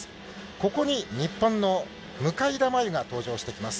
ここに日本の向田真優が登場してきます。